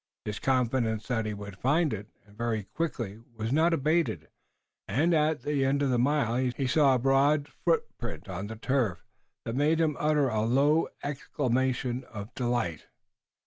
His confidence that he would find it, and very quickly, was not abated, and, at the end of a mile, he saw a broad footprint on the turf that made him utter a low exclamation of delight.